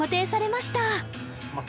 まあ